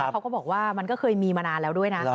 เขาก็บอกว่ามันก็เคยมีมานานแล้วด้วยนะ